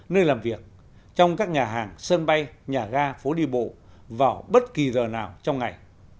nơi làm việc trong các nhà hàng sân bay nhà ga phố đi bộ vào bất kỳ giờ nào trong ngày